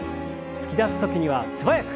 突き出す時には素早く。